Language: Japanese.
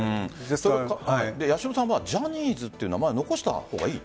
八代さんはジャニーズという名前を残したほうがいいと？